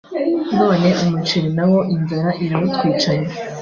none umuceri nawo inzara irawutwicana